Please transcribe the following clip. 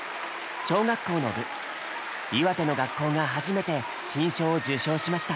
小学校の部岩手の学校が初めて金賞を受賞しました。